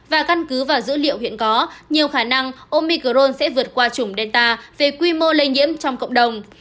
và căn cứ vào dữ liệu hiện có nhiều khả năng omi gron sẽ vượt qua chủng delta về quy mô lây nhiễm trong cộng đồng